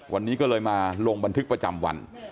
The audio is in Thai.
วันนี้ก็เลยมาลงบันทึกประจำวัน